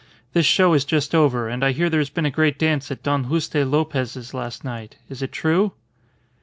This show is just over, and I hear there has been a great dance at Don Juste Lopez's last night. Is it true?"